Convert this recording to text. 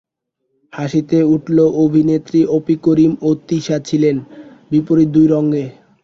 হাসিতে উচ্ছল অভিনেত্রী অপি করিম ও তিশা ছিলেন বিপরীত দুই রঙে।